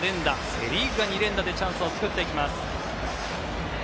セ・リーグが２連打でチャンスを作っていきます。